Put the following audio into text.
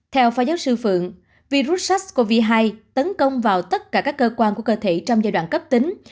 theo phó giáo sư phượng virus sars cov hai tấn công vào tất cả các cơ quan của cơ thể trong giai đoạn cấp tính